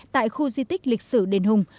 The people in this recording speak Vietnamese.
tại khu di tích lịch sử đền hùng